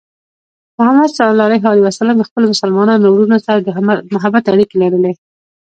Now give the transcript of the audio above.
محمد صلى الله عليه وسلم د خپلو مسلمانو وروڼو سره د محبت اړیکې لرلې.